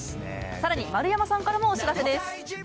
さらに丸山さんからもお知らせです。